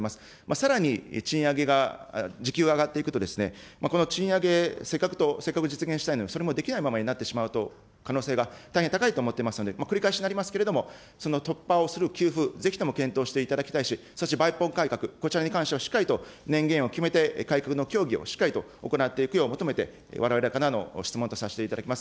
さらに賃上げが、時給が上がっていくと、この賃上げ、せっかく実現したいのに、それもできないままになってしまう可能性が大変高いと思っておりますので、繰り返しになりますけれども、その突破をする給付、ぜひとも検討していただきたいし、そして、抜本改革、こちらに関しても、しっかりと年限を決めて改革の協議をしっかりと行っていくよう求めて、われわれからの質問とさせていただきます。